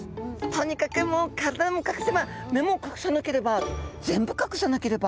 とにかくもう体も隠せば目も隠さなければ全部隠さなければ！